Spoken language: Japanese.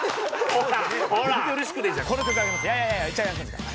ほら！